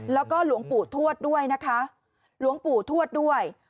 แล้วก็หลวงปู่ทวดด้วยนะคะหลวงปู่ทวดด้วย